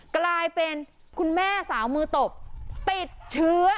กลายเป็นคุณแม่สาวมือตบติดเชื้อ